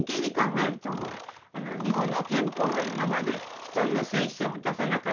日本の憲法が今まで一人の戦死者も出さなかった。